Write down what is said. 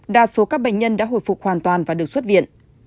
đa số các bệnh nhân đã hồi phục hoàn toàn và được xuất viện